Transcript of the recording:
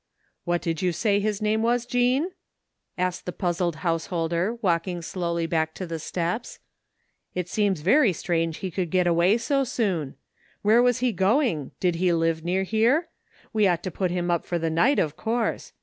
*' What did you say his name was, Jean ?" asked the puzzled householder walking slowly bade to the steps. " It seems very strange he could get away so soon. Where was he going? Did he live near here? We ought to put him up for the night, of course.